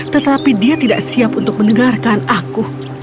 tetapi dia tidak siap untuk mendengarkan aku